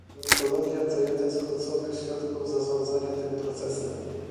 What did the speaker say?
Komitologia to jeden z kluczowych środków zarządzania tym procesem